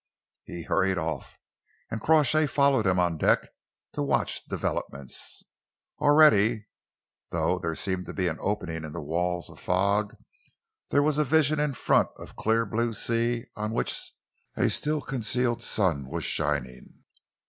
He hurried off, and Crawshay followed him on deck to watch developments. Already, through what seemed to be an opening in the walls of fog, there was a vision in front of clear blue sea on which a still concealed sun was shining.